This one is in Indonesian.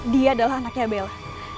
dia adalah anaknya bella